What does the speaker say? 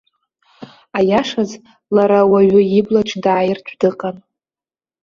Аиашаз, лара уаҩы иблаҿ дааиртә дыҟан.